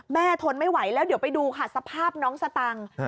ทนไม่ไหวแล้วเดี๋ยวไปดูค่ะสภาพน้องสตังค์